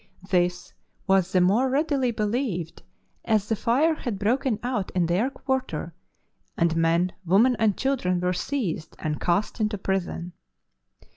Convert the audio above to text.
This was the more readily believed as the fire had broken out in their quarter, and men, women, and children were seized and cast into prison.'